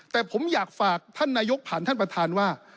แต่ผมอยากฝากท่านนายกผ่านท่านประธานว่า